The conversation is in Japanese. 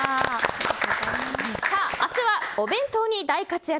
明日はお弁当に大活躍